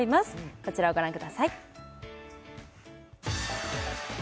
こちらをご覧ください